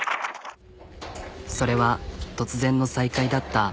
それは突然の再会だった。